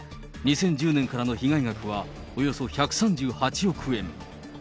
２０１０年からの被害額は、およそ１３８億円。